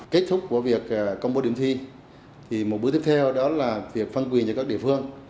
kết thúc của việc công bố điểm thi thì một bước tiếp theo đó là việc phân quyền cho các địa phương